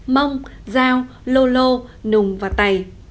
mông giao lô lô nùng và tày